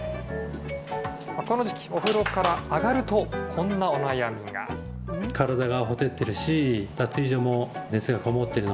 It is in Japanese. この時期、お風呂から上がると、こんなお悩みが。